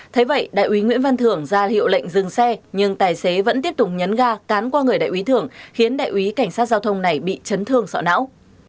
thế vậy đại úy nguyễn văn thưởng ra hiệu lệnh dừng xe nhưng tài xế vẫn tiếp tục nhấn ga cán qua người đại úy thưởng khiến đại úy cảnh sát giao thông này bị chấn thương sọ não